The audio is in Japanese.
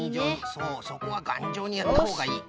そうそこはがんじょうにやったほうがいい。